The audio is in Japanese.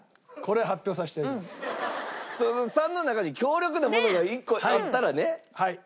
これその３の中に強力なものが１個あったらね。